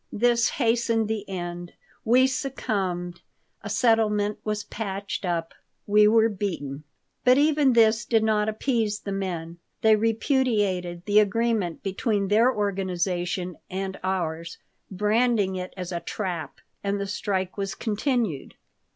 This hastened the end. We succumbed. A settlement was patched up. We were beaten. But even this did not appease the men. They repudiated the agreement between their organization and ours, branding it as a trap, and the strike was continued.